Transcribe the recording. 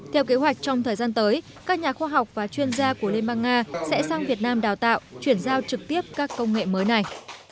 theo kế hoạch trong thời gian tới các nhà khoa học và chuyên gia của liên bang nga sẽ sang việt nam đào tạo chuyển giao trực tiếp các công nghệ mới này